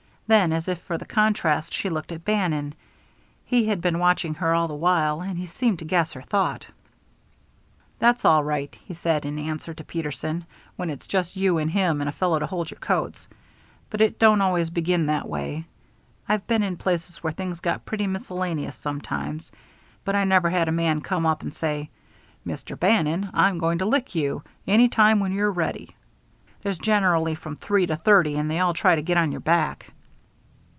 Then, as if for the contrast, she looked at Bannon. He had been watching her all the while, and he seemed to guess her thought. "That's all right," he said in answer to Peterson, "when it's just you and him and a fellow to hold your coats. But it don't always begin that way. I've been in places where things got pretty miscellaneous sometimes, but I never had a man come up and say: 'Mr. Bannon, I'm going to lick you. Any time when you're ready,' There's generally from three to thirty, and they all try to get on your back."